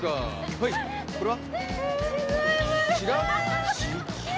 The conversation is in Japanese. はいこれは？